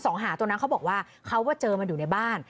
หาตัวนั้นเขาบอกว่าเขาว่าเจอมันอยู่ในบ้าน